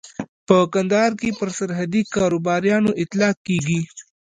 په کندهار کې پر سرحدي کاروباريانو اطلاق کېږي.